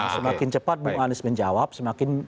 semakin cepat bung anies menjawab semakin